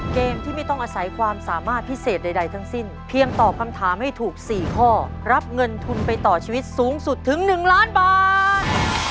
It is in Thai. เกมที่ไม่ต้องอาศัยความสามารถพิเศษใดทั้งสิ้นเพียงตอบคำถามให้ถูก๔ข้อรับเงินทุนไปต่อชีวิตสูงสุดถึง๑ล้านบาท